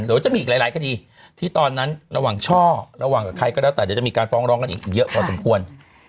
เดี๋ยวจะมีอีกหลายคดีที่ตอนนั้นระหว่างช่อระหว่างกับใครก็แล้วแต่เดี๋ยวจะมีการฟ้องร้องกันอีกเยอะพอสมควร